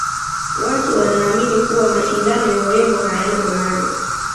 watu wanaamini kuwa mashindano ya urembo hayana maana